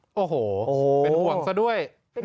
โอ้โหเป็นห่วงซะด้วย